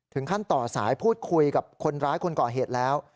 ต่อสายพูดคุยกับคนร้ายคนก่อเหตุแล้ว